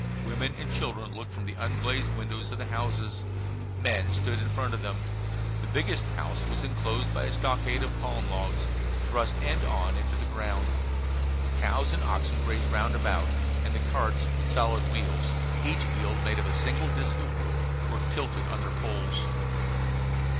Women and children looked from the unglazed windows of the houses; men stood in front of them. The biggest house was enclosed by a stockade of palm logs, thrust end on into the ground. Cows and oxen grazed round about; and carts with solid wheels, each wheel made of a single disk of wood, were tilted on their poles.